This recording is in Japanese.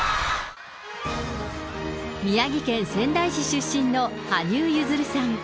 宮城県仙台市出身の羽生結弦さん。